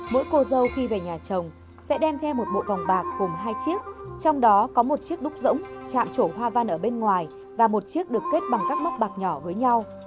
mỗi cô dâu khi về nhà chồng sẽ đem theo một bộ vòng bạc gồm hai chiếc trong đó có một chiếc đúc rỗng chạm chỗ hoa văn ở bên ngoài và một chiếc được kết bằng các móc bạc nhỏ với nhau